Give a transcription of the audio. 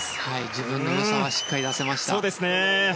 自分の良さはしっかり出せました。